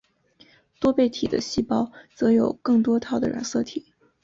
多倍体的细胞则有更多套的染色体。